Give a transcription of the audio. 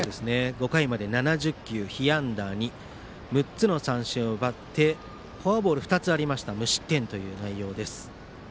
５回まで７０球、被安打２６つの三振を奪ってフォアボールは２つありますが無失点という内容です。